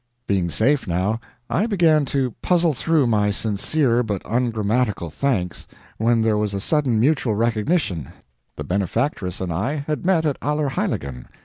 Being safe, now, I began to puzzle through my sincere but ungrammatical thanks, when there was a sudden mutual recognition the benefactress and I had met at Allerheiligen.